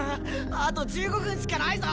あと１５分しかないぞ！